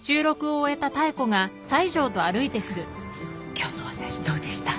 ・今日の私どうでした？